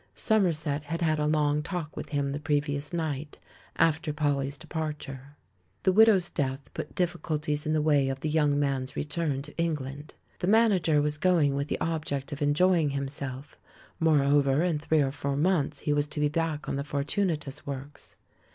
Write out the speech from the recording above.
Somerset had had a long talk with him the previous night, after Polly's departure. The widow's death put diffi culties in the way of the young man's return to England. The manager was going with the ob ject of enjoying himself; moreover in three or four months he was to be back on the Fortu natus works.